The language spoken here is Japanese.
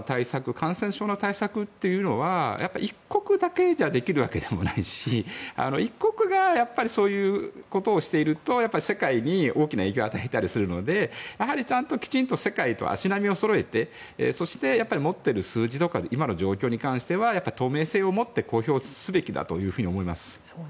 感染症の対策というのは一国だけじゃできるわけでもないし一国がそういうことをしていると世界に大きな影響を与えたりするのでやはり、ちゃんときちんと世界を足並みをそろえてそして持ってる数字とか今の状況に関しては透明性を持って公表すべきだと思います。